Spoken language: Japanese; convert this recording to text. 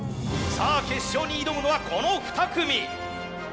さぁ決勝に挑むのはこの２組！